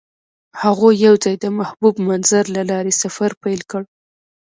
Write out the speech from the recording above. هغوی یوځای د محبوب منظر له لارې سفر پیل کړ.